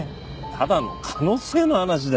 ただの可能性の話だよ。